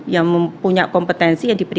yang punya kompetensi yang diberi